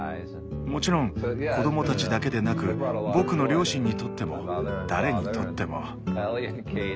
もちろん子供たちだけでなく僕の両親にとっても誰にとっても。